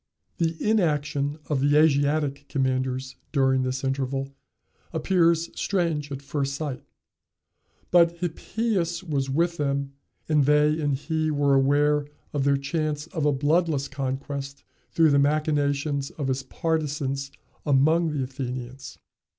The inaction of the Asiatic commanders during this interval appears strange at first sight; but Hippias was with them, and they and he were aware of their chance of a bloodless conquest through the machinations of his partisans among the Athenians.